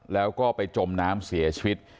แล้วก็ไปจมน้ำเสียชีวิต